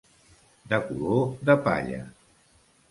De color de palla.